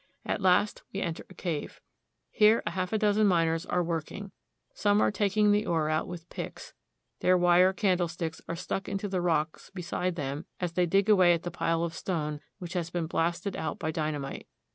At last we enter a cave. Here a half dozen miners are work Timbers in a Mine A DAY IN A SILVER MINE. 253 jng. Some are taking the ore out with picks. Their wire candlesticks are stuck into the rocks beside them as they dig away at the pile of stone which has been blasted out by dynamite.